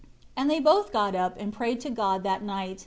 16 And they both got up and prayed to God that night.